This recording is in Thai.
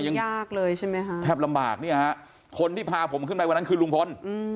เป็นยากเลยใช่ไหมครับแทบลำบากคนที่พาผมขึ้นไปวันนั้นคือลุงพล